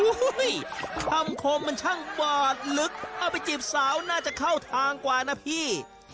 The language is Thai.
คำคมมันช่างกวาดลึกเอาไปจีบสาวน่าจะเข้าทางกว่านะพี่